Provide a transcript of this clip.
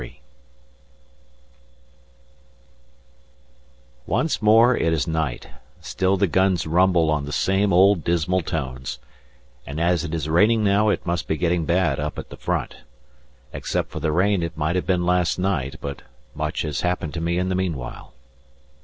Once more it is night, still the guns rumble on the same old dismal tones, and as it is raining now it must be getting bad up at the front. Except for the rain it might have been last night, but much has happened to me in the meanwhile.